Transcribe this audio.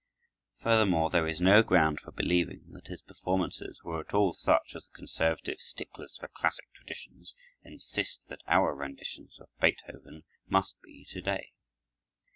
Furthermore, there is no ground for believing that his performances were at all such as the conservative sticklers for classic traditions insist that our renditions of Beethoven must be to day.